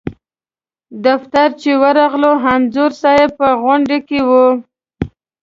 دفتر چې ورغلو انځور صاحب په غونډه کې و.